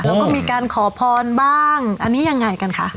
แล้วก็มีการขอพรบ้างอันนี้ยังไงกันคะ